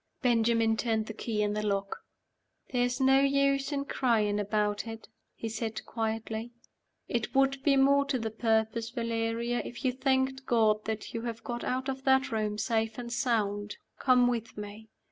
Benjamin turned the key in the lock. "There's no use in crying about it," he said, quietly. "It would be more to the purpose, Valeria, if you thanked God that you have got out of that room safe and sound. Come with me."